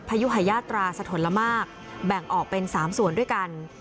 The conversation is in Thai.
ยุหายาตราสะทนละมากแบ่งออกเป็น๓ส่วนด้วยกัน